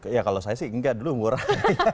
ya kalau saya sih enggak dulu murah